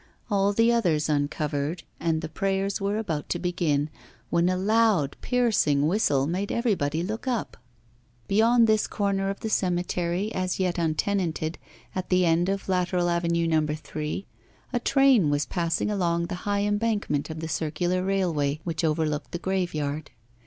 All the others uncovered, and the prayers were about to begin, when a loud piercing whistle made everybody look up. Beyond this corner of the cemetery as yet untenanted, at the end of lateral Avenue No. 3, a train was passing along the high embankment of the circular railway which overlooked the graveyard.